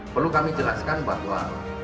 perlu kami jelaskan bahwa